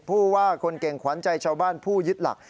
ผู้ว่าคนเก่งขวัญใจชาวบ้านผู้ยึดหลัก